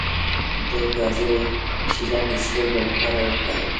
د ګازرې شیره د سترګو لپاره وکاروئ